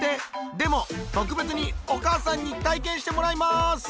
でも特別にお母さんに体験してもらいます！